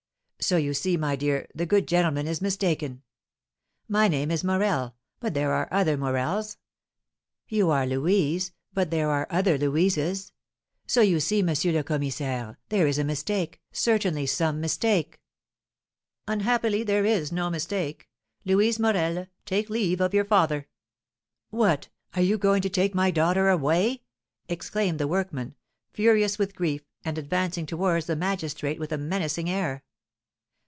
So you see, my dear, the good gentleman is mistaken. My name is Morel, but there are other Morels; you are Louise, but there are other Louises; so you see, M. le Commissaire, there is a mistake, certainly some mistake!" "Unhappily there is no mistake. Louise Morel, take leave of your father!" "What! are you going to take my daughter away?" exclaimed the workman, furious with grief, and advancing towards the magistrate with a menacing air.